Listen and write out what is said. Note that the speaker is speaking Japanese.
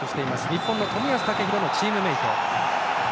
日本の冨安健洋のチームメート。